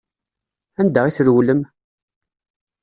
Anda i trewlem?